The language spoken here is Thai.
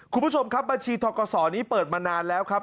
คุณผู้ชมครับบัญชีทกศนี้เปิดมานานแล้วครับ